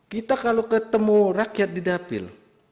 kita kalau ketemu rakyat di dapil